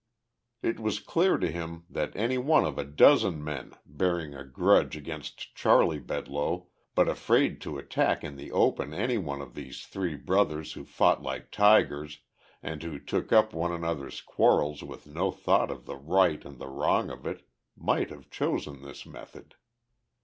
It was clear to him that any one of a dozen men, bearing a grudge against Charley Bedloe, but afraid to attack in the open any one of these three brothers who fought like tigers and who took up one another's quarrels with no thought of the right and the wrong of it, might have chosen this method.